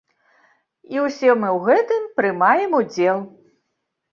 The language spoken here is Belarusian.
І ўсе мы ў гэтым прымаем удзел.